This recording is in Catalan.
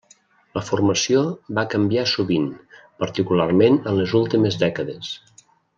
La formació va canviar sovint, particularment en les últimes dècades.